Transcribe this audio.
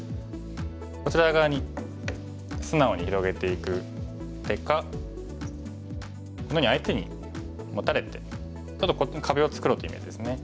こちら側に素直に広げていく手かこんなふうに相手にモタれてちょっと壁を作ろうというイメージですね。